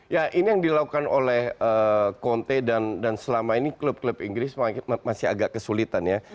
ya ini yang dilakukan oleh conte dan selama ini klub klub inggris masih agak kesulitan ya